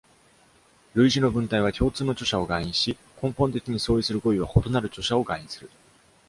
類似の文体は共通の著者を含意し、根本的に相違する語彙は異なる著者を含意する。